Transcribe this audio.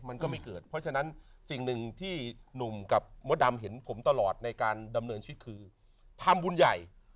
มันก็ไม่เกิดเพราะฉะนั้นสิ่งหนึ่งที่หนุ่มกับมดดำเห็นผมตลอดในการดำเนินชีวิตคือทำบุญใหญ่